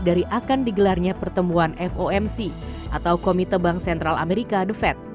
dari akan digelarnya pertemuan fomc atau komite bank sentral amerika the fed